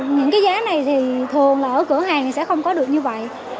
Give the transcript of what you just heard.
những giá này thì thường ở cửa hàng sẽ không có được như vậy